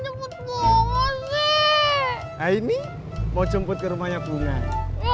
nah ini mau jemput ke rumahnya bunga